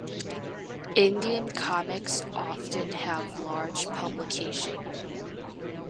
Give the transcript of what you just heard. Indian comics often have large publication.